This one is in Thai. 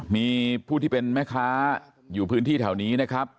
มีผู้ที่เป็นแม่ค้าอยู่พื้นที่แถวนี้นะครับ